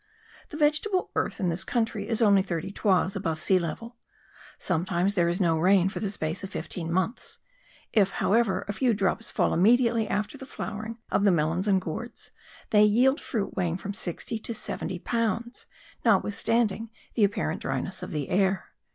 The vegetable earth in this country is only thirty toises above sea level. Sometimes there is no rain for the space of fifteen months; if, however, a few drops fall immediately after the flowering of the melons and gourds, they yield fruit weighing from sixty to seventy pounds, notwithstanding the apparent dryness of the air.